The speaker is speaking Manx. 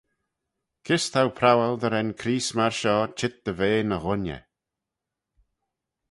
Kys t'ou prowal dy ren Creest myr shoh çheet dy ve ny wooinney?